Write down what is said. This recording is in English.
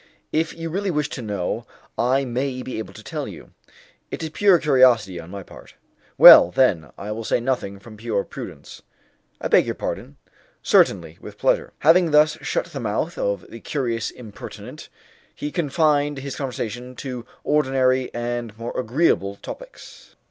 "If you really wish to know, I may be able to tell you." "It is pure curiosity on my part." "Well, then, I will say nothing, from pure prudence." "I beg your pardon." "Certainly, with pleasure." Having thus shut the mouth of the curious impertinent, he confined his conversation to ordinary and more agreeable topics.